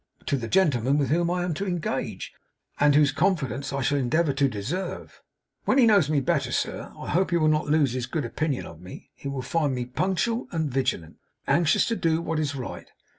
'To the gentleman with whom I am to engage, and whose confidence I shall endeavour to deserve. When he knows me better, sir, I hope he will not lose his good opinion of me. He will find me punctual and vigilant, and anxious to do what is right.